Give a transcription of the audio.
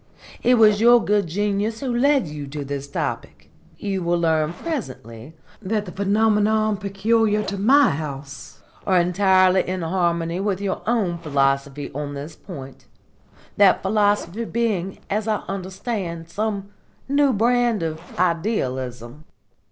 It was your good genius who led you to this topic. You will learn presently that the phenomena peculiar to my house are entirely in harmony with your own philosophy on this point, that philosophy being, as I understand, some new brand of Idealism."